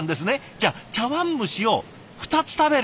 じゃあ茶わん蒸しを２つ食べる。